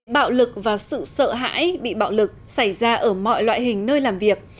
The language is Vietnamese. bạo lực và sự sợ hãi bị bạo lực xảy ra ở mọi loại hình nơi làm việc